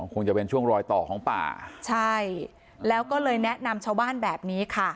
คงจะเป็นช่วงรอยต่อของป่าใช่แล้วก็เลยแนะนำชาวบ้านแบบนี้ค่ะ